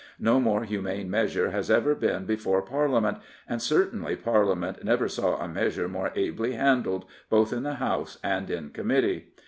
No more humane measure has ever been before Parliament, and certainly Parliament never saw a measure more ably handled, both in the House and in Committee.